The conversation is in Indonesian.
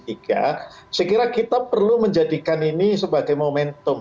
saya kira kita perlu menjadikan ini sebagai momentum